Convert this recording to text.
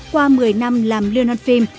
qua một mươi năm làm liên hoan phim